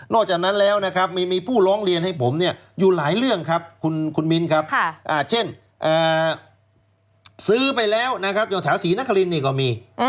จากนั้นแล้วนะครับมีผู้ร้องเรียนให้ผมเนี่ยอยู่หลายเรื่องครับคุณมิ้นครับเช่นซื้อไปแล้วนะครับอยู่แถวศรีนครินนี่ก็มี